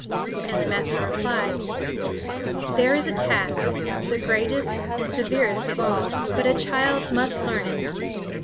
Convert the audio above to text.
And the master replied: "There is a task, the greatest and severest of all. But a child must learn it.